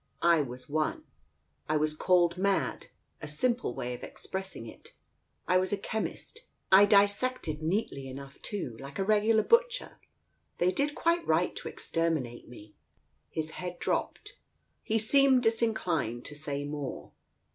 "I was one. I was called mad — a simple way of expressing it. I was a chemist. I dissected neatly enough, too, like a regular butcher. They did quite right to exterminate me." His head dropped. He seemed disinclined to say more.